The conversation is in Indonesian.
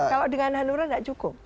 kalau dengan hanura tidak cukup